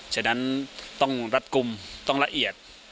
ฉะนั้นต้องรัดกลุ่มต้องละเอียด